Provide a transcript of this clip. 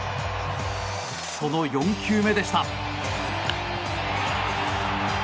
その４球目でした。